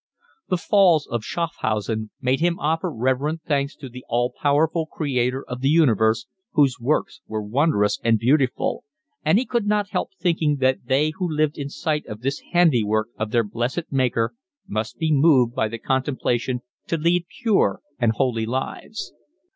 The falls of Schaffhausen made him 'offer reverent thanks to the all powerful Creator of the universe, whose works were wondrous and beautiful,' and he could not help thinking that they who lived in sight of 'this handiwork of their blessed Maker must be moved by the contemplation to lead pure and holy lives.